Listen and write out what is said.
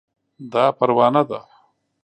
دا پروانه ده